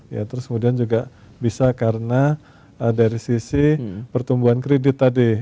ya terus kemudian juga bisa karena dari sisi pertumbuhan kredit tadi